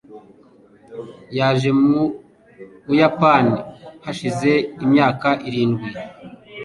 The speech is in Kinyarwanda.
Yaje mu Buyapani hashize imyaka irindwi.